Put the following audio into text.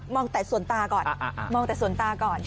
มองแต่ส่วนตาก่อน